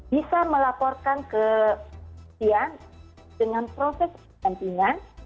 bisa melaporkan ke saksian dengan proses pergantian